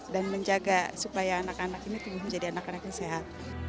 dan menjaga supaya anak anak ini tumbuh menjadi anak anak yang sehat